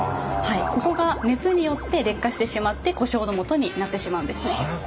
ここが熱によって劣化してしまって故障のもとになってしまうんですね。